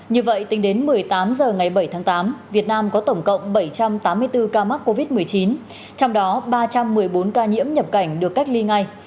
như vậy tính đến một mươi tám h ngày bảy tháng tám việt nam có tổng cộng bảy trăm tám mươi bốn ca mắc covid một mươi chín trong đó ba trăm một mươi bốn ca nhiễm nhập cảnh được cách ly ngay